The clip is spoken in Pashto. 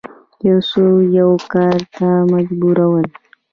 یو څوک یو کار ته مجبورول